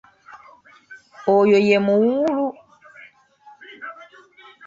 Oyo ye muwuulu.